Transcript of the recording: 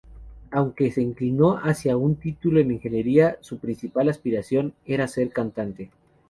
Aunque se inclinó hacia un título en ingeniería, su principal aspiración era ser cantante.